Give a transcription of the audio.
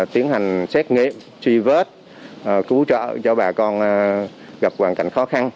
tiến hành xét nghiệm truy vết cứu trợ cho bà con gặp hoàn cảnh khó khăn